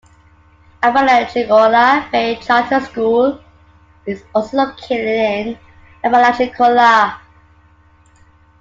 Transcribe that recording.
Apalachicola Bay Charter School is also located in Apalachicola.